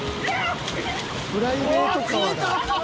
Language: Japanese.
プライベート川だ。